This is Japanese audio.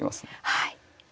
はい。